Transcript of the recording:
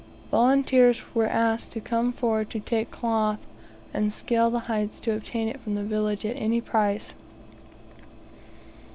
Volunteers were asked to come forward to take cloth, and scale the heights to obtain it from the village, at any price.